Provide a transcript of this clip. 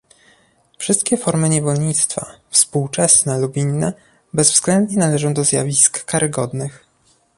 Wszystkie formy niewolnictwa, "współczesne" lub inne, bezwzględnie należą do zjawisk karygodnych